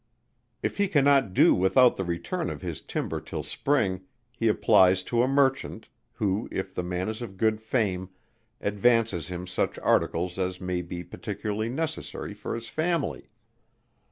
If he cannot do without the return of his timber till spring, he applies to a merchant, who if the man is of good fame, advances him such articles as may be particularly necessary for his family.